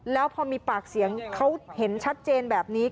แล้วพอมีปากเสียงเขาเห็นชัดเจนแบบนี้